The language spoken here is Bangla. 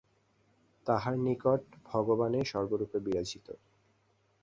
তাহার নিকট ভগবানেই সর্বরূপে বিরাজিত।